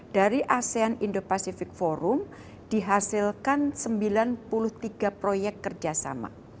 dari asean indo pacific forum dihasilkan sembilan puluh tiga proyek kerjasama